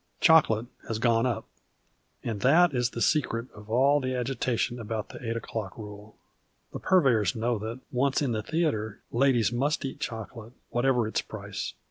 Chocolate has " gone up." And that is the secret of all the agitation about the 8 o'clock rule. The purveyors know that, once in the theatre, ladies 77iust eat chocolate, whatever its price.